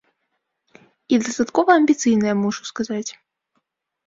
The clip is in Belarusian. І дастаткова амбіцыйная, мушу сказаць.